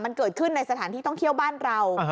มันเกิดขึ้นในสถานที่ท่องเที่ยวบ้านเรา